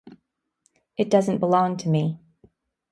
It doesn't belong to me.